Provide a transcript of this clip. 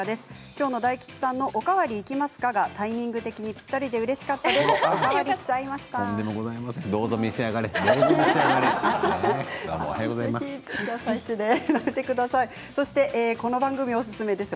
きょうの大吉さんのお代わりいきますか？がタイミング的にぴったりでうれしかったですということです。